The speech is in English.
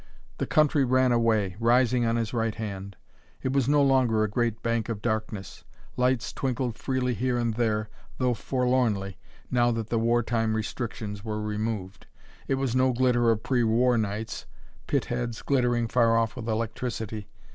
The country ran away, rising on his right hand. It was no longer a great bank of darkness. Lights twinkled freely here and there, though forlornly, now that the war time restrictions were removed. It was no glitter of pre war nights, pit heads glittering far off with electricity.